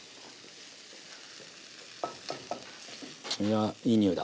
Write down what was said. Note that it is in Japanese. いやいい匂いだ。